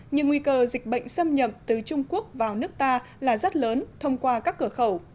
nhưng nguy cơ dịch bệnh xâm nhập từ trung quốc vào nước ta là rất lớn thông qua các cửa khẩu